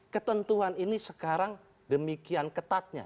ketentuan ini sekarang demikian ketatnya